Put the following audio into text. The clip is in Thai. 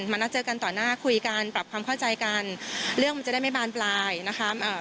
มานัดเจอกันต่อหน้าคุยกันปรับความเข้าใจกันเรื่องมันจะได้ไม่บานปลายนะคะอ่า